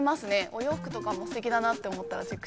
お洋服もすてきだなって思ったらチェックします。